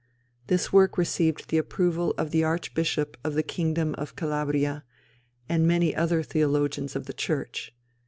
This work received the approval of the Archbishop of the kingdom of Calabria, and many other theologians of the Church.